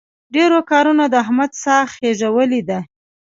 ډېرو کارونو د احمد ساه خېژولې ده.